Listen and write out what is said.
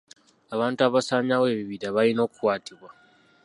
Abantu abasaanyaawo ebibira balina okukwatibwa.